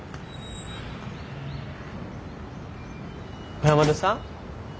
小山田さん？